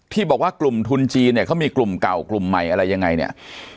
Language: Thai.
ที่บอกว่ากลุ่มทุนจีนเนี่ยเขามีกลุ่มเก่ากลุ่มใหม่อะไรยังไงเนี่ย